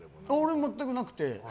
全くなくて。